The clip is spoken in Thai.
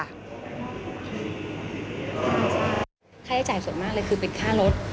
ค่าใช้จ่ายส่วนมากเลยคือเป็นค่ารถ